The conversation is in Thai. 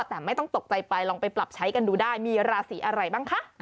แต่ไม่ต้องตกใจไปลองไปปรับใช้กันดูได้มีราศีอะไรบ้างคะ